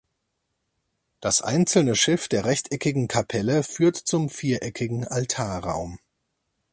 Das einzelne Schiff der rechteckigen Kapelle führt zum viereckigen Altarraum.